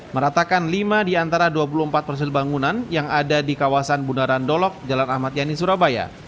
meratakan lima di antara dua puluh empat personil bangunan yang ada di kawasan bundaran dolok jalan ahmad yani surabaya